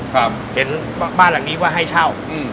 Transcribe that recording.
ครับเห็นบ้านหลังนี้ว่าให้เช่าอืม